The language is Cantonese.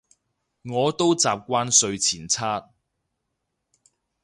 我都習慣睡前刷